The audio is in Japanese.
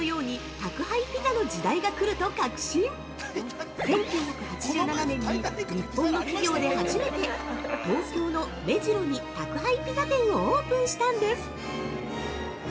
１９８７年に日本の企業で初めて東京の目白に宅配ピザ店をオープンしたんです。